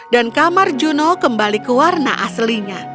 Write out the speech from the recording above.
dan kamar juno kembali ke warna aslinya